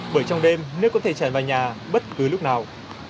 bởi trong đêm nước có thể chảy vào nhà bất cứ lúc nào